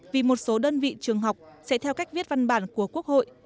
vì một số đơn vị trường học sẽ theo cách viết văn bản của quốc hội